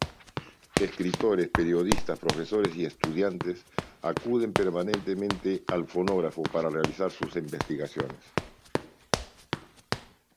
Escritores, periodistas, profesores y estudiantes, acuden permanentemente a "El Fonógrafo" para realizar sus investigaciones.